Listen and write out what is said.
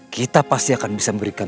kita pasti akan bisa memberikan